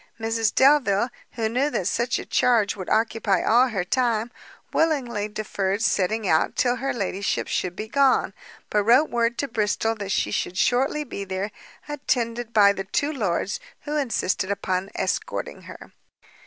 Mrs Delvile, who knew that such a charge would occupy all her time, willingly deferred setting out till her ladyship should be gone, but wrote word to Bristol that she should shortly be there, attended by the two lords, who insisted upon escorting her.